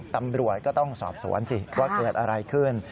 ตำรวจก็ต้องสอบสวนสิว่าเกิดอะไรขึ้น